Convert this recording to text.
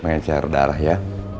mencar darah ya